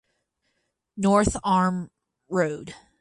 North Arm Rd.